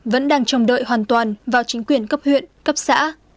vẫn đang trông đợi hoàn toàn vào chính quyền cấp huyện cấp xã